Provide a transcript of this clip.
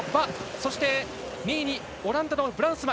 そして、２位にオランダのブランスマ。